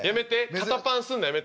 肩パンすんのやめて。